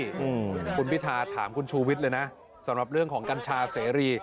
อืมคุณพิธาถามคุณชูวิทย์เลยนะสำหรับเรื่องของกัญชาเสรี